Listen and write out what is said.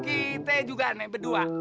kita juga nih berdua